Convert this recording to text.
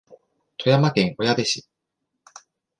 富山県小矢部市